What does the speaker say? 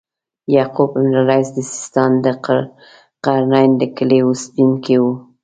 یعقوب بن اللیث د سیستان د قرنین د کلي اوسیدونکی و.